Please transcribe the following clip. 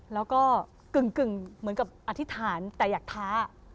แล้วก็กึ่งเหมือนกับอธิษฐานแต่อยากท้า